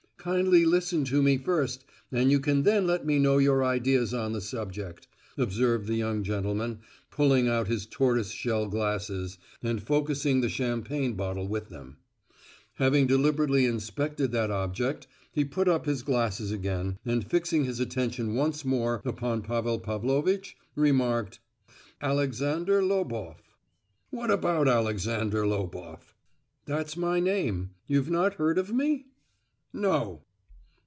"Kindly listen to me first, and you can then let me know your ideas on the subject," observed the young gentleman, pulling out his tortoiseshell glasses, and focusing the champagne bottle with them. Having deliberately inspected that object, he put up his glasses again, and fixing his attention once more upon Pavel Pavlovitch, remarked: "Alexander Loboff." "What about Alexander Loboff?" "That's my name. You've not heard of me?" "No."